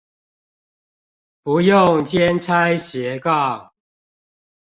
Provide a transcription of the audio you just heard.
不用兼差斜槓